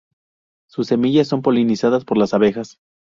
Sus semillas son polinizadas por las abejas.